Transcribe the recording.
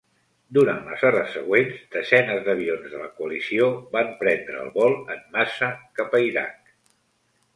Durant les hores següents, desenes d'avions de la coalició van prendre el vol en massa cap a Iraq.